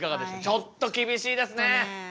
ちょっと厳しいですね。